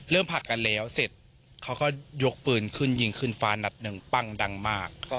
ผลักกันแล้วเสร็จเขาก็ยกปืนขึ้นยิงขึ้นฟ้านัดหนึ่งปั้งดังมาก